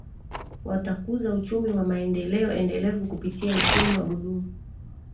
Watakuza uchumi na maendeleo endelevu kupitia uchumi wa buluu